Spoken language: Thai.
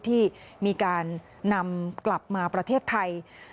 ที่มีการนำกลับมาประเทศไทย